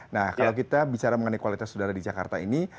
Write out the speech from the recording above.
nah kalau kita bicara mengenai kualitas udara di jakarta ini